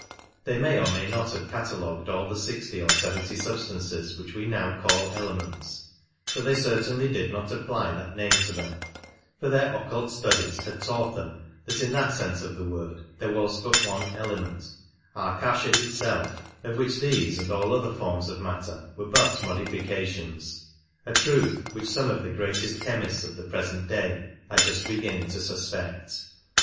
They may or may not have catalogued all the sixty or seventy sub stances which we now call elements ; but they certainly did not apply that name to them, for their occult studies had 4 50 taught them that in that sense of the word there was but one element, Akasha itself, of which these and all other forms of matter were but modifications — a truth which some of the greatest chemists of the present day are just beginning to suspect.